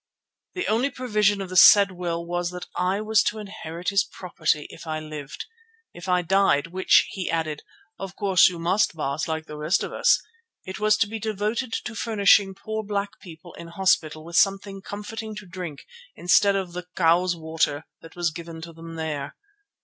The only provision of the said will was that I was to inherit his property, if I lived. If I died, which, he added, "of course you must, Baas, like the rest of us," it was to be devoted to furnishing poor black people in hospital with something comforting to drink instead of the "cow's water" that was given to them there.